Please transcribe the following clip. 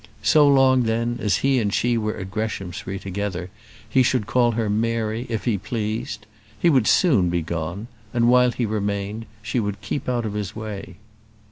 So long, then, as he and she were at Greshamsbury together, he should call her Mary if he pleased. He would soon be gone; and while he remained, she would keep out of his way.